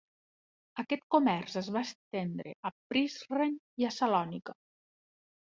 Aquest comerç es va estendre a Prizren i a Salònica.